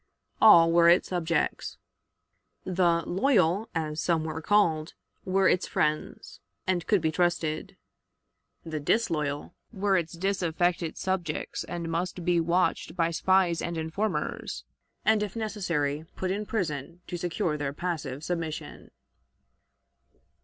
All were its subjects; the "loyal," as some were called, were its friends, and could be trusted; the "disloyal" were its disaffected subjects, and must be watched by spies and informers, and, if necessary, put in prison to secure their passive submission.